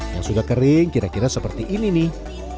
yang sudah kering kira kira seperti ini nih